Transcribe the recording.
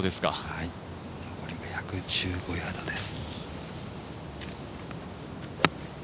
残り１１５ヤードです。